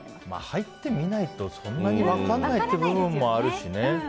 入ってみないとそんなに分からない部分もあるしね。